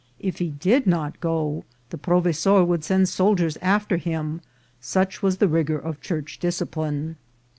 If he did not go, the provesor would send soldiers after him, such was the rigour of church discipline.